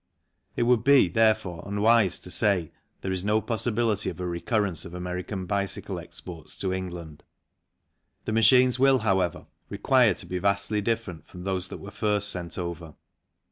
It would be, therefore, unwise to say there is no possibility of a recurrence of American bicycle exports to England ; the machines will, however, require to be vastly different from those that were first sent over.